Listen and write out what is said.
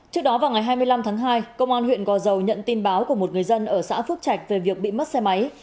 trước đó vào ngày hai mươi năm tháng hai công an huyện gò dầu nhận tin báo của một người dân ở xã phước trạch về việc bị mất xe máy